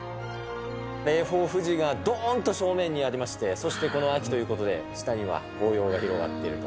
霊峰、富士が目の前にどーんと正面にありまして、そしてこの秋ということで、下には紅葉が広がっていると。